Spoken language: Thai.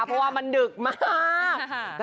เพราะว่ามันดึกมาก